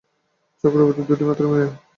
চক্রবর্তীর দুটিমাত্র মেয়ে।